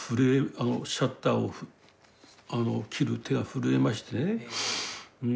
あのシャッターを切る手が震えましてね。